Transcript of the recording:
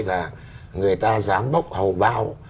và người ta dám bốc hầu bao